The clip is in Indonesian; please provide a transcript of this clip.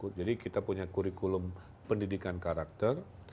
namanya kurikulum pendidikan karakter